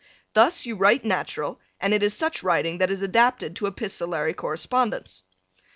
Thus, you write natural and it is such writing that is adapted to epistolary correspondence.